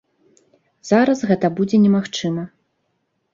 Зараз гэта будзе немагчыма.